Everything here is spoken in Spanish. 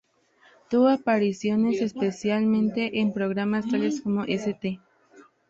Tuvo apariciones especiales en programas, tales como "St.